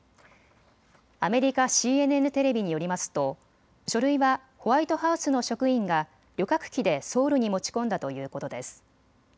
アメリカＣＮＮテレビによりますと書類はホワイトハウスの職員が旅客機でソウルに持ち込んだということです。